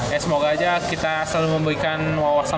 ya semoga aja kita selalu memberikan wawasan